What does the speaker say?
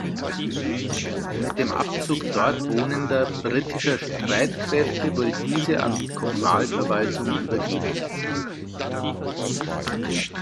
Mit dem Abzug dort wohnender britischer Streitkräfte wurde diese an die Kommunalverwaltung übergeben.